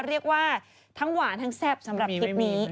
เรียกว่าทั้งหวานทั้งแซ่บสำหรับทริปนี้